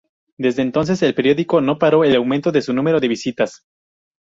Desde entonces, el periódico no paró el aumento de su número de visitas.